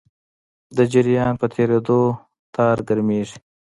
د جریان په تېرېدو تار ګرمېږي.